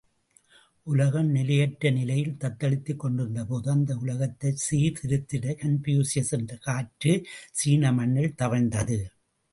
உலகம் நிலையற்ற நிலையில் தத்தளித்துக் கொண்டிருந்தபோது அந்த உலகத்தைச் சீர்த்திருத்திட கன்பூசியஸ் என்ற காற்று சீன மண்ணிலே தவழ்ந்தது.